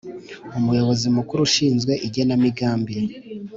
Umuyobozi mukuru ushinzwe igenamigambi